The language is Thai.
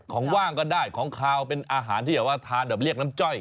ว่างก็ได้ของขาวเป็นอาหารที่แบบว่าทานแบบเรียกน้ำจ้อย